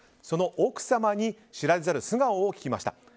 その奥様に知られざる素顔を聞きました。